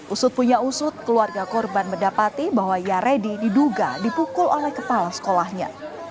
usut punya usut keluarga korban mendapati bahwa yaredi diduga dipukul oleh kepala sekolahnya